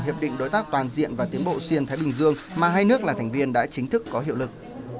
hiệp định đối tác toàn diện và tiến bộ xuyên thái bình dương mà hai nước là thành viên đã chính thức có hiệu lực